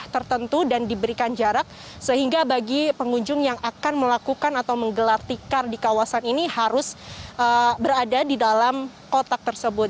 tertentu dan diberikan jarak sehingga bagi pengunjung yang akan melakukan atau menggelar tikar di kawasan ini harus berada di dalam kotak tersebut